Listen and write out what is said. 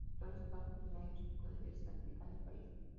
Prehistóricas estatuas menhires todavía salpican el paisaje.